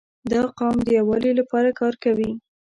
• دا قوم د یووالي لپاره کار کوي.